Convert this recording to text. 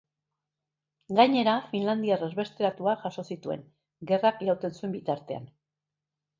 Gainera, finlandiar erbesteratuak jaso zituen, gerrak irauten zuen bitartean.